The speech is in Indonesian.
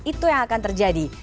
itu yang akan terjadi